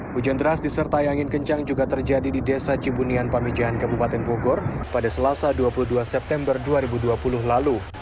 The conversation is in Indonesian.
hujan deras disertai angin kencang juga terjadi di desa cibunian pamijahan kabupaten bogor pada selasa dua puluh dua september dua ribu dua puluh lalu